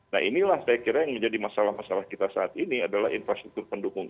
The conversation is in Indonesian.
nah inilah saya kira yang menjadi masalah masalah kita saat ini adalah infrastruktur pendukung